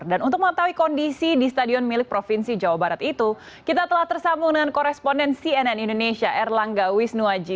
dan untuk mengetahui kondisi di stadion milik provinsi jawa barat itu kita telah tersambung dengan koresponden cnn indonesia erlangga wisnuaji